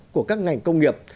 của các ngành công nghiệp